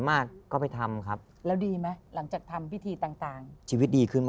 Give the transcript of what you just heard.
มากก็ไปทำครับแล้วดีไหมหลังจากทำพิธีต่างต่างชีวิตดีขึ้นมา